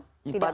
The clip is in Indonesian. jauh dari allah